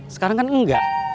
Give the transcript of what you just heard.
sekarang kan enggak